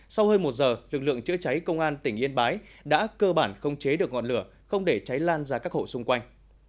sau hơn một giờ lực lượng chữa cháy công an tỉnh yên bái đã cơ bản không chế được ngọn lửa không để cháy lan ra các hộ xung quanh